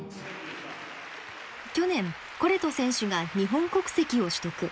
去年コレト選手が日本国籍を取得。